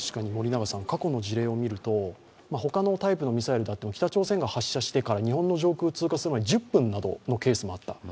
過去の事例を見ると、他のタイプのミサイルだと北朝鮮が発射してから日本の上空を通過するまで１０分などのケースもあった。